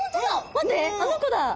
待ってあの子だ！